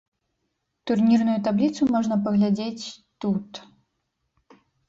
Турнірную табліцу можна паглядзець тут.